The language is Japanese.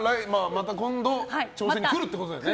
また今度、挑戦に来るということですね。